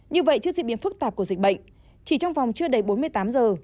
như vậy trước diễn biến phức tạp của dịch bệnh chỉ trong vòng chưa đầy bốn mươi tám giờ